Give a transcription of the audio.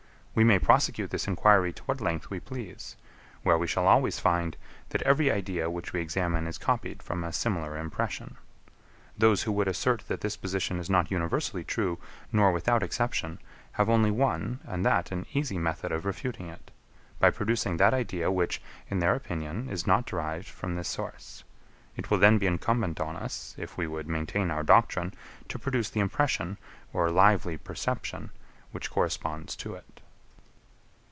We may prosecute this enquiry to what length we please; where we shall always find, that every idea which we examine is copied from a similar impression. Those who would assert that this position is not universally true nor without exception, have only one, and that an easy method of refuting it; by producing that idea, which, in their opinion, is not derived from this source. It will then be incumbent on us, if we would maintain our doctrine, to produce the impression, or lively perception, which corresponds to it.